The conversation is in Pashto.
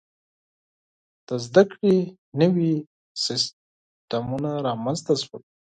• د زده کړې نوي سیستمونه رامنځته شول.